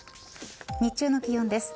日中の気温です。